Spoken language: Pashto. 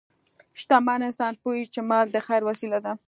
شتمن انسان پوهېږي چې مال د خیر وسیله ده.